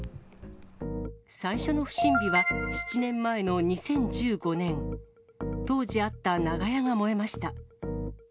最初の不審火は、７年前の２０１５年、当時あった長屋が燃えました。